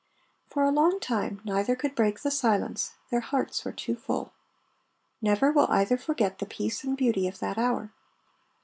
For a long time neither could break the silence, their hearts were too full. Never will either forget the peace and beauty of that hour.